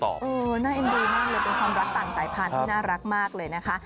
เออน่าเอ็นดูมากเลยเป็นความรักต่างสายพันธุ์ที่น่ารักมากเลยนะคะ